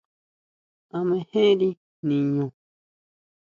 ¿A mejeri niñu?